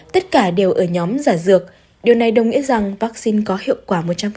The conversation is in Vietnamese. tất cả đều ở nhóm giả dược điều này đồng nghĩa rằng vaccine có hiệu quả một trăm linh